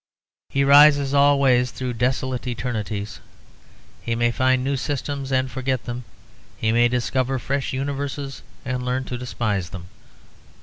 He rises always through desolate eternities. He may find new systems, and forget them; he may discover fresh universes, and learn to despise them.